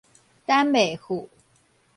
等袂赴